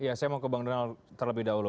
iya saya mau ke bang donal terlebih dahulu